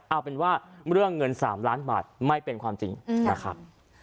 เอาเป็นว่าเรื่องเงิน๓ล้านบาทไม่เป็นความจริงนะครับ